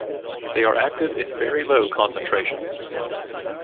They are active in very low concentrations.